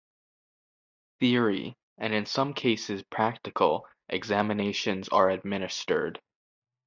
Theory, and in some cases practical, examinations are administered.